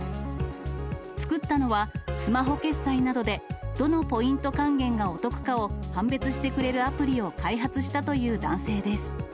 作ったのは、スマホ決済などで、どのポイント還元がお得かを判別してくれるアプリを開発したという男性です。